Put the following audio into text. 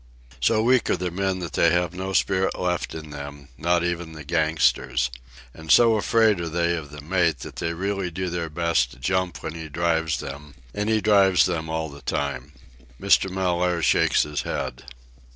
So weak are the men that they have no spirit left in them—not even the gangsters. And so afraid are they of the mate that they really do their best to jump when he drives them, and he drives them all the time. Mr. Mellaire shakes his head.